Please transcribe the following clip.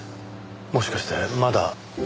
もしかしてまだ。